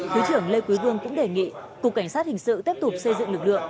thứ trưởng lê quý vương cũng đề nghị cục cảnh sát hình sự tiếp tục xây dựng lực lượng